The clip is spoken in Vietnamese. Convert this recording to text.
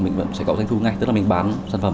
mình vẫn sẽ có doanh thu ngay tức là mình bán sản phẩm